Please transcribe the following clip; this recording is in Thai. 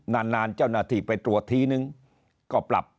นานเจ้าหน้าที่ไปตรวจทีนึงก็ปรับ